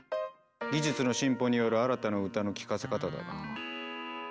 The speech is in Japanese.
技術の進歩による新たな歌の聞かせ方だな。